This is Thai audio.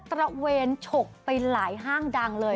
ระเวนฉกไปหลายห้างดังเลย